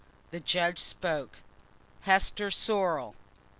The judge spoke, "Hester Sorrel...."